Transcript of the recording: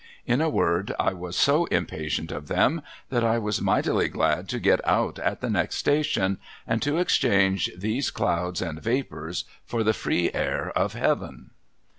In a word, I was so impatient of them, that I was mightily glad to get out at the next station, and to exchange these clouds and vapours for the free air of Heaven.